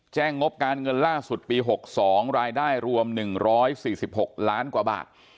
งบการเงินล่าสุดปี๖๒รายได้รวม๑๔๖ล้านกว่าบาท